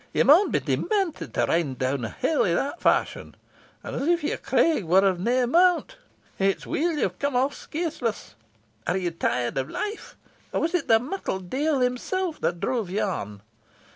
"Ye maun be demented to ride down a hill i' that fashion, and as if your craig war of nae account. It's weel ye hae come aff scaithless. Are ye tired o' life or was it the muckle deil himsel' that drove ye on?